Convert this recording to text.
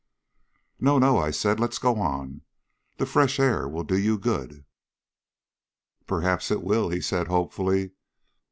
"No, no," I said. "Let's go on. The fresh air will do you good." "Perhaps it will," he said hopefully.